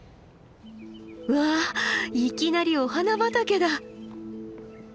うわいきなりお花畑だ。